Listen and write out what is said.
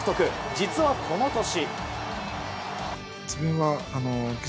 実はこの年。